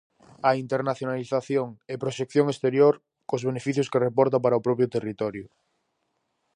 A internacionalización e proxección exterior, cos beneficios que reporta para o propio territorio.